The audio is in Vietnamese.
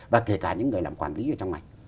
và kể cả những người làm quản lý ở trong mạch